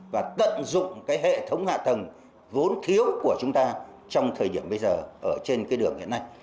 và tận dụng cái hệ thống hạ tầng vốn thiếu của chúng ta trong thời điểm bây giờ ở trên cái đường hiện nay